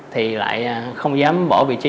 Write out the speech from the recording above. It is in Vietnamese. thì lại không dám bỏ lọt bản thân